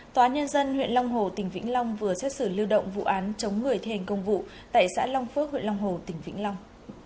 tòa nhân dân huyện long hồ tỉnh vĩnh long vừa xét xử lưu động vụ án chống người thi hành công vụ tại xã long phước huyện long hồ tỉnh vĩnh long